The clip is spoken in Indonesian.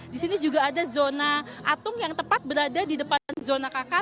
di sini juga ada zona atung yang tepat berada di depan zona kk